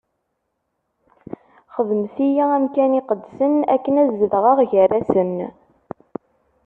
Xedmet-iyi amkan iqedsen akken ad zedɣeɣ gar-asen.